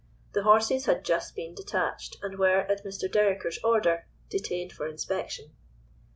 The horses had just been detached, and were, at Mr. Dereker's order, detained for inspection.